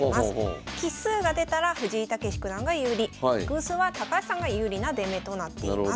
奇数が出たら藤井猛九段が有利偶数は高橋さんが有利な出目となっています。